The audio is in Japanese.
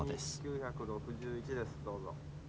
９６１ですどうぞ。